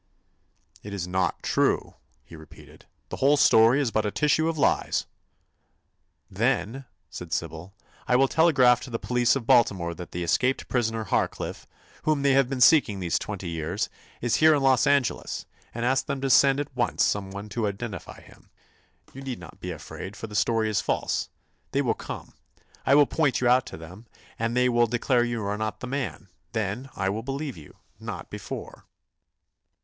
"It is not true," he repeated. "The whole story is but a tissue of lies." "Then," said Sybil, "I will telegraph to the police of Baltimore that the escaped prisoner, Harcliffe, whom they have been seeking these twenty years, is here in Los Angeles, and ask them to send at once someone to identify him. You need not be afraid, for the story is false. They will come, I will point you out to them, and they will declare you are not the man. Then I will believe you—not before."